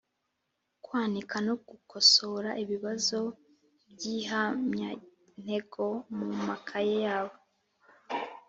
Kwanika no gukosora ibibazo by’ihamyantego mu makaye yabo